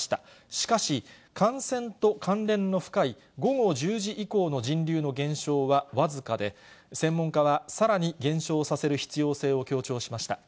しかし、感染と関連の深い午後１０時以降の人流の減少は僅かで、専門家は、さらに減少させる必要性を強調しました。